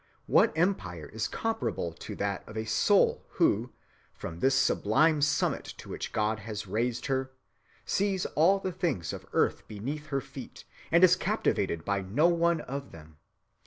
What empire is comparable to that of a soul who, from this sublime summit to which God has raised her, sees all the things of earth beneath her feet, and is captivated by no one of them?